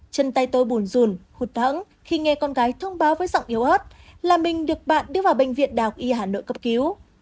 chân tay tôi bùn rùn hụt hẫng khi nghe con gái thông báo với giọng yếu ớt là mình được bạn đưa vào bệnh viện đào y hà nội cấp cứu